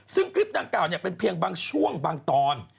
ซึ่งคลิปดังกล่าวเป็นเพียงบางช่วงบางตอน